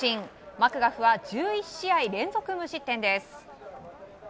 マクガフは１１試合連続無失点です。